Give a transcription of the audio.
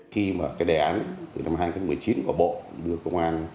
khi mà cái đề án từ năm hai nghìn một mươi chín của bộ đưa công an